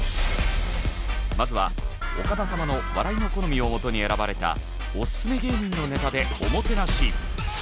まずはオカダ様の笑いの好みをもとに選ばれたオススメ芸人のネタでおもてなし。